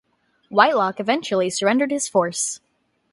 Whitelocke eventually surrendered his force.